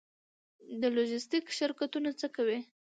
د لوژستیک شرکتونه څه کوي؟